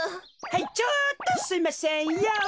はいちょっとすいませんヨー。